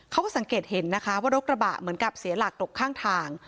เขาก็สังเกตเห็นนะคะว่ารถกระบะเหมือนกับเสียหลักตกข้างทาง